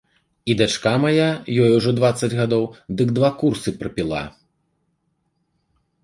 І дачка мая, ёй ужо дваццаць гадоў, дык два курсы прапіла.